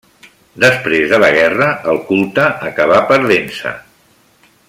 Després de la guerra, el culte acaba perdent-se.